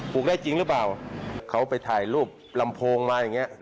ลูกได้จริงหรือเปล่าเขาไปถ่ายรูปลำโพงมาอย่างเงี้